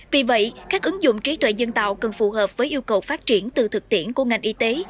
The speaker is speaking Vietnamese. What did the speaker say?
vì vậy các ứng dụng trí tuệ nhân tạo cần phù hợp với yêu cầu phát triển từ thực tiễn của ngành y tế